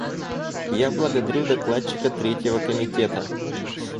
Я благодарю Докладчика Третьего комитета.